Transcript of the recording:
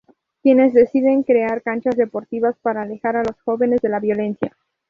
Quienes deciden crear canchas deportivas para alejar a los jóvenes de la violencia.